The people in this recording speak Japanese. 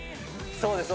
そうです